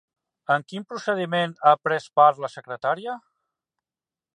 En quin procediment ha pres part la secretària?